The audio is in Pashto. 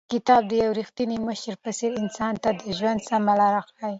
کتاب د یو رښتیني مشر په څېر انسان ته د ژوند سمه لار ښیي.